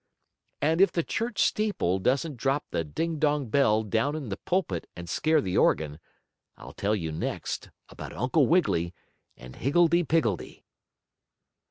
And if the church steeple doesn't drop the ding dong bell down in the pulpit and scare the organ, I'll tell you next about Uncle Wiggily and Higgledee Piggledee.